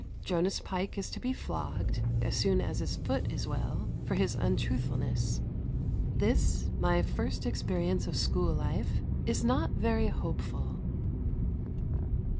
Jonas Pike is to be flogged, as soon as his foot is well, for his untruthfulness. This, my first experience of school life, is not very hopeful.